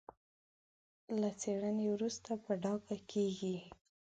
له څېړنې وروسته په ډاګه کېږي.